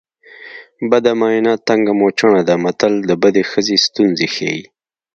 بده ماینه تنګه موچڼه ده متل د بدې ښځې ستونزې ښيي